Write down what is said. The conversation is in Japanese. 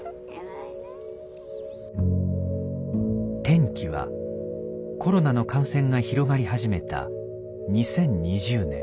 転機はコロナの感染が広がり始めた２０２０年。